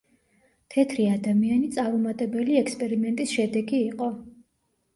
თეთრი ადამიანი წარუმატებელი ექსპერიმენტის შედეგი იყო.